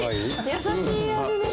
優しい味です。